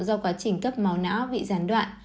do quá trình cấp máu não bị gián đoạn